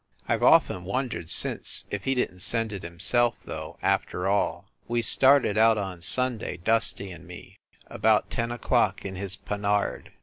I ve often wondered since if he didn t send it himself, though, after all. We started out on Sunday, Dusty and me, about ten o clock, in his Panhard.